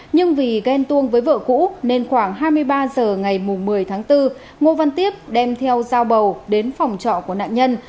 nhưng vì ghen tuông với vợ cũ nên khoảng hai mươi ba h ngày một mươi tháng bốn ngô văn tiếp đem theo dao bầu đến phòng trọ của nạn nhân